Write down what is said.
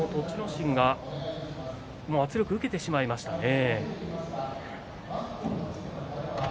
心が圧力を受けてしまいましたね。